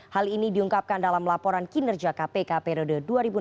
hal ini diungkapkan dalam laporan kinerja kpk periode dua ribu enam belas dua ribu dua